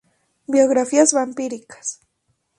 Biografías Vampíricas